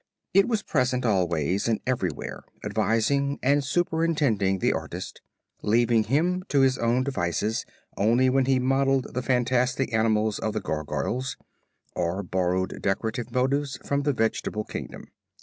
It was present always and everywhere, advising and superintending the artist, leaving him to his own devices only when he modelled the fantastic animals of the gargoyles, or borrowed decorative motives from the vegetable kingdom."